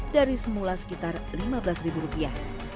dari semula sekitar lima belas ribu rupiah